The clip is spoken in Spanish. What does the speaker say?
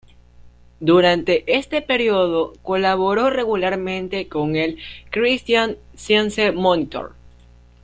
Durante este periodo colaboró regularmente en el "Christian Science Monitor".